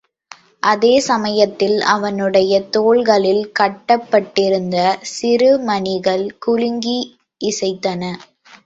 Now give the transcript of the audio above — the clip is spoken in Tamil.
அதே சமயத்தில் அவனுடைய தோள்களில் கட்டப்பட்டிருந்த சிறு மணிகள் குலுங்கி இசைத்தன.